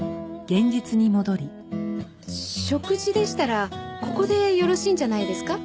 食事でしたらここでよろしいんじゃないですか？